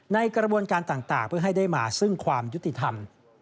ในกระบวนการต่างเพื่อให้ได้มาซึ่งความยุติธรรม